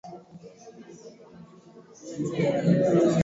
Kwa undani Maoni ya waandishi wa habari kuhusu habari kuu wiki hii